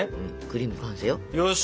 クリーム完成よ。